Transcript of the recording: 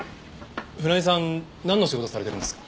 船井さんなんの仕事されてるんですか？